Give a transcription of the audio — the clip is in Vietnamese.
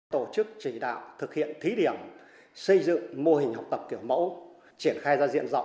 tổ chức chỉ đạo thực hiện thí điểm xây dựng mô hình học tập kiểu mẫu triển khai ra diện rộng